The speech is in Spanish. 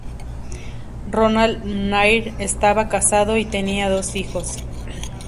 Ronald McNair estaba casado y tenía dos hijos.